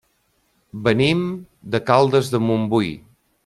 Venim de Caldes de Montbui.